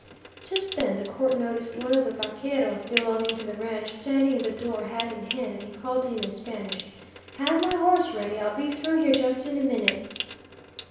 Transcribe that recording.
"Just then the court noticed one of the vaqueros belonging to the ranch standing in the door, hat in hand, and he called to him in Spanish, 'Have my horse ready, I'll be through here just in a minute.'